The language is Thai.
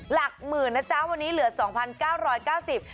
หลักหมื่นนะจ๊ะวันนี้เหลือ๒๙๙๐บาท